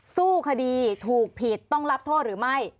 สู้คดีถูกผิดต้องรับโทษหรือไม่